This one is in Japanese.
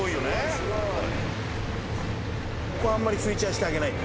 ここあんまりフィーチャーしてあげない。